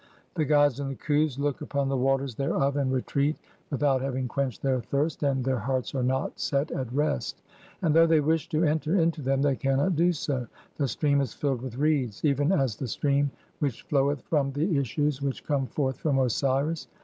The gods and the Khus, (5) look upon the waters 'thereof and retreat without having quenched their thirst, and 'their hearts are not (6) set at rest ; and though they wish to 'enter into them they cannot do so. The stream is filled with 'reeds, even as the stream (7) which floweth from the issues 'which come forth from Osiris.